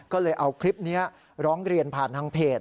ก็เลยเอาคลิปนี้ร้องเรียนผ่านทางเพจ